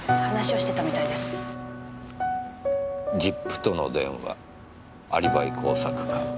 「実父との電話アリバイ工作か？」